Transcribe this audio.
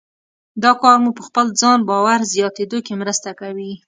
دا کار مو په خپل ځان باور زیاتېدو کې مرسته کوي.